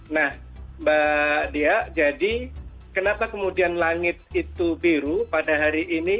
nah mbak dia jadi kenapa kemudian langit itu biru pada hari ini